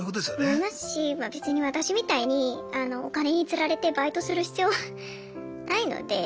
思いますし別に私みたいにお金につられてバイトする必要はないので。